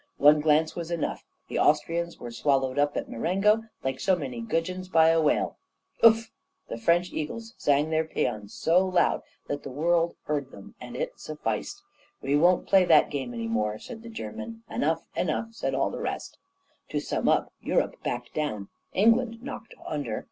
One glance was enough. The Austrians were swallowed up at Marengo like so many gudgeons by a whale! Ouf! The French eagles sang their pæans so loud that all the world heard them and it sufficed! 'We won't play that game any more,' said the German. 'Enough, enough!' said all the rest. To sum up: Europe backed down, England knocked under.